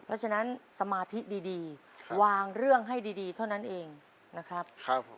เพราะฉะนั้นสมาธิดีวางเรื่องให้ดีเท่านั้นเองนะครับผม